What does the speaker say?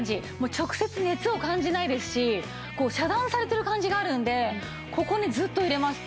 直接熱を感じないですし遮断されてる感じがあるのでここにずっといれます。